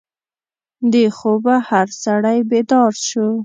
د خوبه هر سړی بیدار شو.